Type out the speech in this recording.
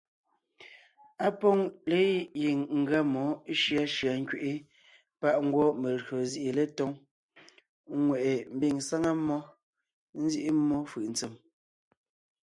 Á pôŋ legiŋ ngʉa mmó shʉashʉa nkẅiʼi páʼ ngwɔ́ melÿo zîʼi letóŋ, ŋweʼe mbiŋ sáŋa mmó, nzíʼi mmó fʉʼ ntsèm.